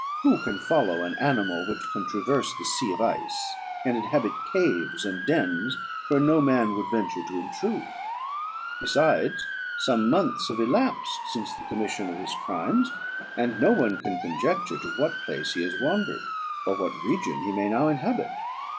Who can follow an animal which can traverse the sea of ice, and inhabit caves and dens where no man would venture to intrude? Besides, some months have elapsed since the commission of his crimes, and no one can conjecture to what place he has wandered, or what region he may now inhabit."